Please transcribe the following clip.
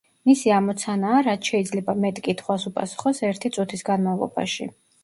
მისი ამოცანაა, რაც შეიძლება მეტ კითხვას უპასუხოს ერთი წუთის განმავლობაში.